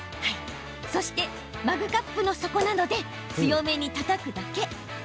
そして、マグカップの底などで強めにたたくだけ。